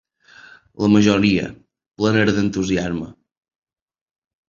La majoria, plenes d’entusiasme.